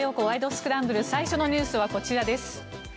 スクランブル」最初のニュースはこちらです。